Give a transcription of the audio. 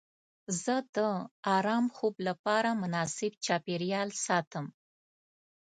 زه د ارام خوب لپاره مناسب چاپیریال ساتم.